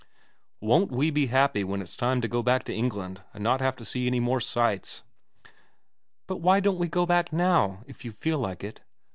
' Won't we be happy when it's time to go back to England and not have to see any more sights.' ' But why don't we go back now, if you feel like it